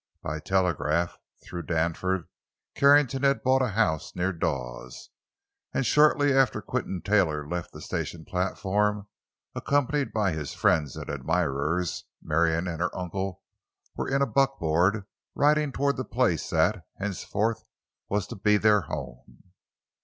By telegraph, through Danforth, Carrington had bought a house near Dawes, and shortly after Quinton Taylor left the station platform accompanied by his friends and admirers, Marion and her uncle were in a buckboard riding toward the place that, henceforth, was to be their home.